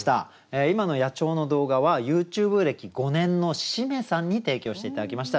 今の野鳥の動画はＹｏｕＴｕｂｅ歴５年のしめさんに提供して頂きました。